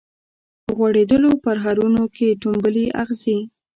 په غوړیدولو پرهرونو کي ټومبلي اغزي